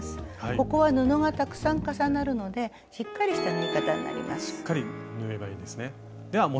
ここは布がたくさん重なるのでしっかりした縫い方になります。